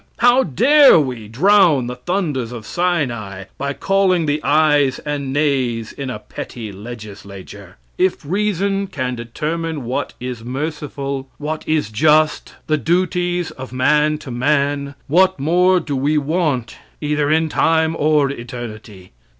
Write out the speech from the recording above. How dare we drown the thunders of Sinai by calling the ayes and naes in a petty legislature? If reason can determine what is merciful, what is just, the duties of man to man, what more do we want either in time or eternity?